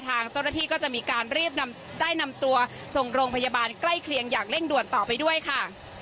ทางเจ้าหน้าที่ก็จะมีการรีบได้นำตัวส่งโรงพยาบาลใกล้เคียงอย่างเร่งด่วนต่อไปด้วยค่ะ